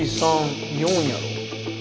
１３４やろ。